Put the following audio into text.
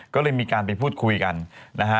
ก็เลยมีการไปพูดคุยกันนะฮะ